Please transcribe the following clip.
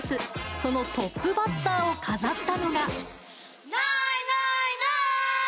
そのトップバッターを飾ったのが。